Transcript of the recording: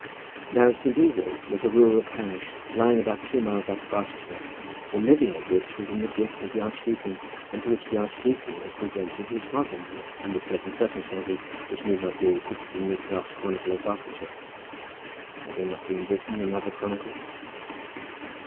Now, St. Ewold's was a rural parish lying about two miles out of Barchester, the living of which was in the gift of the archdeacon, and to which the archdeacon had presented his father in law, under certain circumstances, which need not be repeated in this last chronicle of Barsetshire. Have they not been written in other chronicles?